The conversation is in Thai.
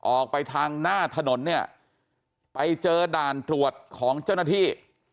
ออกไปทางหน้าถนนเนี่ยไปเจอด่านตรวจของเจ้าหน้าที่